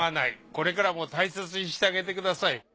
これからも大切にしてあげてください。